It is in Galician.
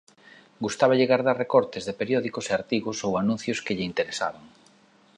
Gustáballe gardar recortes de periódicos de artigos ou anuncios que lle interesaban.